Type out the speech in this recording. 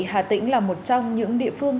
hà tĩnh là một trong những địa phương